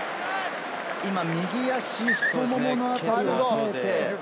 右足太ももの辺りを押さえて。